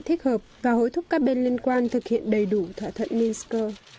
thích hợp và hỗ trợ các bên liên quan thực hiện đầy đủ thỏa thuận minsk